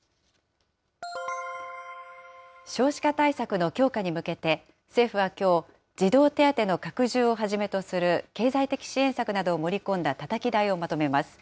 少子化対策の強化に向けて、政府はきょう、児童手当の拡充をはじめとする経済的支援策などを盛り込んだたたき台をまとめます。